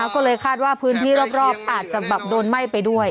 ก็เลยคาดว่าพื้นที่รอบอาจจะแบบโดนไหม้ไปด้วย